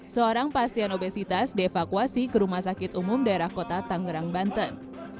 seorang pasien obesitas dievakuasi ke rumah sakit umum daerah kota tangerang banten